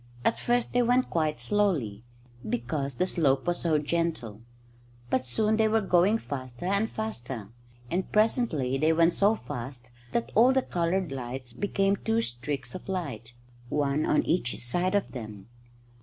At first they went quite slowly, because the slope was so gentle. But soon they were going faster and faster; and presently they went so fast that all the coloured lights became two streaks of light, one on each side of them.